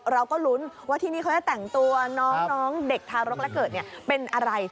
เราก็ลุ้นว่าที่นี่เขาจะแต่งตัวน้องเด็กทารกและเกิดเป็นอะไร